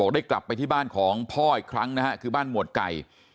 ได้กลับไปที่บ้านของพ่ออีกครั้งนะฮะคือบ้านหมวดไก่